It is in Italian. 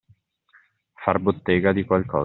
Far bottega di qualcosa.